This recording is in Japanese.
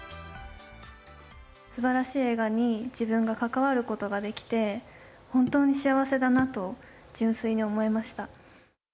すばらしい映画に自分が関わることができて、本当に幸せだなと純粋に思いました。